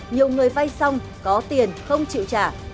nhiều người vay xong có tiền không chịu trả